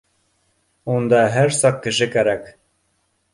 Унда һәр саҡ кеше кәрәк